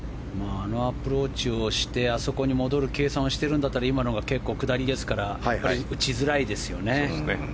あのアプローチをしてあそこに戻る計算をしているんだったら今のほうが結構下りですから打ちづらいですよね。